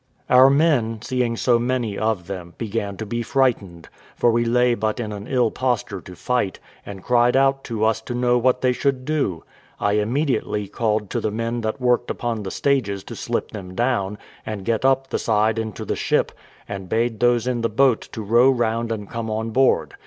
Our men, seeing so many of them, began to be frightened, for we lay but in an ill posture to fight, and cried out to us to know what they should do. I immediately called to the men that worked upon the stages to slip them down, and get up the side into the ship, and bade those in the boat to row round and come on board.